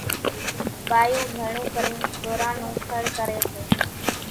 ٻايوُن گھڻون ڪرينَ ڍوران نون کڙ ڪريَ سي۔